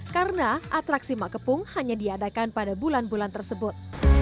karena atraksi makepung hanya diadakan pada bulan bulan tersebut